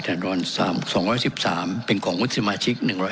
แทนรดรสามสองร้อยสิบสามเป็นของสมาชิกหนึ่งร้อย